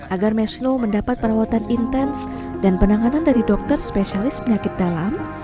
agar mesno mendapat perawatan intens dan penanganan dari dokter spesialis penyakit dalam